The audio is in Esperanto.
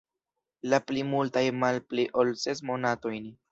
La pli multaj malpli ol ses monatojn.